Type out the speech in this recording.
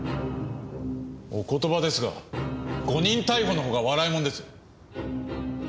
お言葉ですが誤認逮捕の方が笑い者です。